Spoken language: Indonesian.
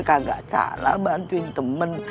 ya nggak salah bantuin temen